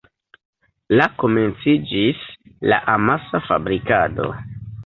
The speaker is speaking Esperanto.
La komenciĝis la amasa fabrikado.